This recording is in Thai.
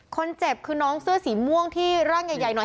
คนเจ็บคือน้องเสื้อสีม่วงที่ร่างใหญ่หน่อย